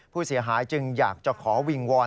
ผู้เสียหายจึงอยากจะขอวิงวอน